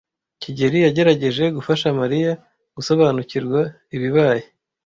kigeli yagerageje gufasha Mariya gusobanukirwa ibibaye.